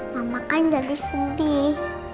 mama kan jadi sendiri